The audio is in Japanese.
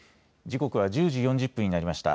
時刻は１０時４０分になりました。